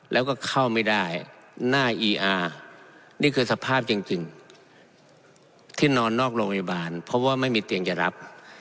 แล้วก็เข้าไม่ได้หน้าอีอาร์นี่คือสภาพจริงที่นอนนอกโรงพยาบาลเพราะว่าไม่มีเตียงจะรับ